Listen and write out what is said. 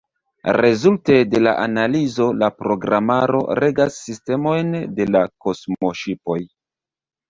Rezulte de la analizo la programaro regas sistemojn de la kosmoŝipoj.